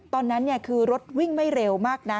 ตอนนั้นคือรถวิ่งไม่เร็วมากนะ